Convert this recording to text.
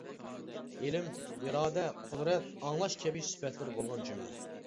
ئىلىم، ئىرادە، قۇدرەت، ئاڭلاش كەبى سۈپەتلىرى بولغان جۈملە.